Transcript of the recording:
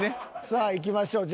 さあいきましょう。